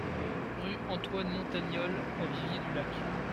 Rue Antoine Montagnole à Viviers-du-Lac